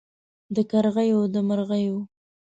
د کرغیو د مرغیو